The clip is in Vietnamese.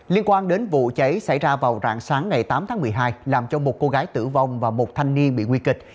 liên quan đến vụ cháy xảy ra vào rạng sáng ngày tám tháng một mươi hai làm cho một cô gái tử vong và một thanh niên bị nguy kịch